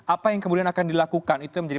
apa yang kemudian akan dilakukan itu yang menjadi